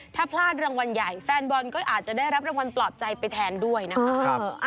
ถ้าพลาดรางวัลใหญ่แฟนบอลก็อาจจะได้รับรางวัลปลอบใจไปแทนด้วยนะคะ